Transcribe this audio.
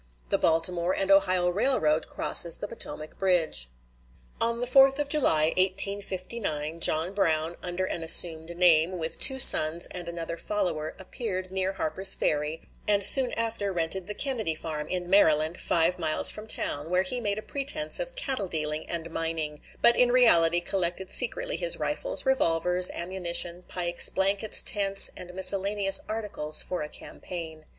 The Baltimore and Ohio Railroad crosses the Potomac bridge. On the 4th of July, 1859, John Brown, under an assumed name, with two sons and another follower, appeared near Harper's Ferry, and soon after rented the Kennedy Farm, in Maryland, five miles from town, where he made a pretense of cattle dealing and mining; but in reality collected secretly his rifles, revolvers, ammunition, pikes, blankets, tents, and miscellaneous articles for a campaign.